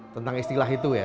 tentang istilah itu ya